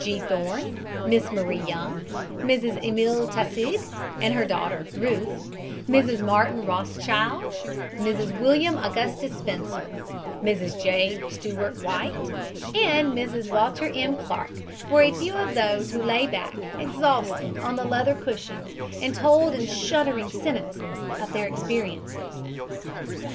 G. Thorne, Miss Marie Young, Mrs Emil Taussig and her daughter, Ruth, Mrs. Martin Rothschild, Mrs. William Augustus Spencer, Mrs. J. Stewart White and Mrs. Walter M. Clark were a few of those who lay back, exhausted, on the leather cushions and told in shuddering sentences of their experiences.